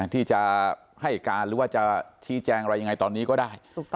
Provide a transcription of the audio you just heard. ที่จะให้การหรือว่าจะชี้แจงอะไรยังไงตอนนี้ก็ได้